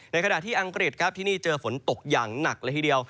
ในขณะที่อังกฤษครับที่นี่เจอฝนตกอย่างหนักเลยทีเดียว